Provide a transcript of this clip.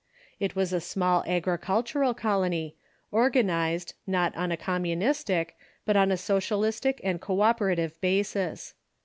It was a small agricultural colony, organized, not on a com munistic, but on a socialistic and co operative basis.